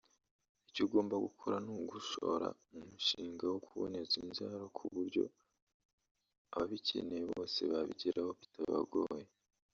icyo ugomba gukora ni ugushora mu mushinga wo kuboneza imbyaro ku buryo ababikeneye bose babigeraho bitabagoye